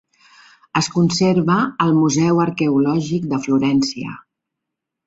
Es conserva al Museu Arqueològic de Florència.